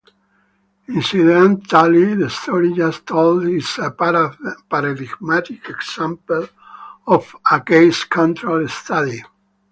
Incidentally, the story just told is a paradigmatic example of a case-control study.